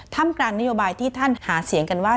กลางนโยบายที่ท่านหาเสียงกันว่า